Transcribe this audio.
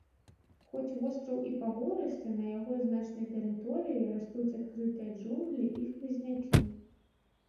Хоць востраў і пагорысты, на яго значнай тэрыторыі растуць адкрытыя джунглі і хмызнякі.